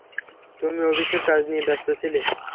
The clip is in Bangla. তুমি অফিসের কাজ নিয়ে ব্যাস্ত ছিলে।